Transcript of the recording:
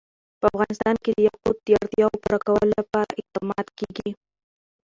په افغانستان کې د یاقوت د اړتیاوو پوره کولو لپاره اقدامات کېږي.